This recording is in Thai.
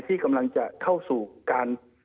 ที่กำลังจะเข้าสู่การ